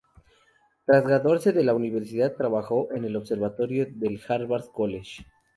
Tras graduarse de la universidad trabajó en el Observatorio del Harvard College.